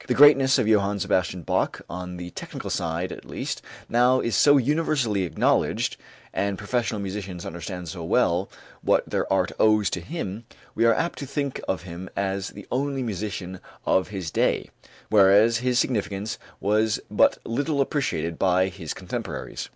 The greatness of Johann Sebastian Bach, on the technical side at least, now is so universally acknowledged, and professional musicians understand so well what their art owes to him, we are apt to think of him as the only musician of his day, whereas his significance was but little appreciated by his contemporaries.